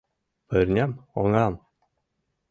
— Пырням, оҥам...